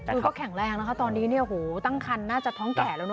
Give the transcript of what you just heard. ดูก็แข็งแรงตอนนี้เนี่ยตั้งครรภ์น่าจะท้องแก่แล้วเนอะ